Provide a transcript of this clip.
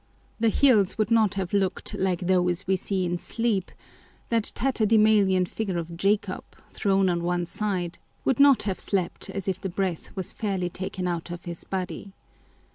The hills would not have looked like those we see in sleep â€" that tatterdemalion figure of Jacob, thrown on one side, would not have slept as if the breath was fairly taken out of his body.